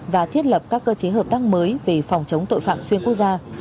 và thiết lập các cơ chế hợp tác mới về phòng chống tội phạm xuyên quốc gia